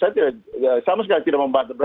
saya tidak sama sekali tidak membantah